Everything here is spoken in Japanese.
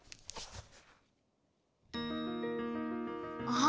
あ！